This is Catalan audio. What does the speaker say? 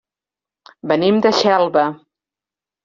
Venim de Xelva.